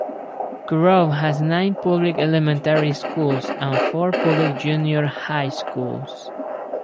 Kurobe has nine public elementary schools and four public junior high schools.